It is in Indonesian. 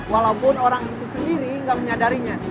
walaupun orang itu sendiri nggak menyadarinya